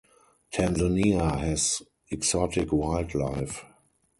Tanzania has exotic wildlife.